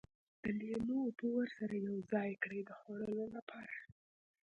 د لیمو اوبه ورسره یوځای کړي د خوړلو لپاره.